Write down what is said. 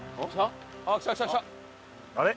あれ？